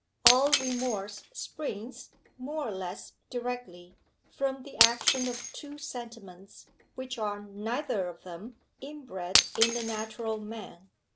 All remorse springs, more or less directly, from the action of two sentiments, which are neither of them inbred in the natural man.